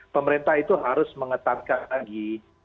pemerintah itu harus mengetatkan lagi